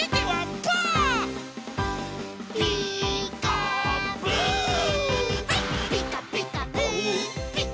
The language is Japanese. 「ピカピカブ！ピカピカブ！」